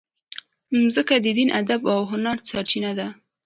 مځکه د دین، ادب او هنر سرچینه ده.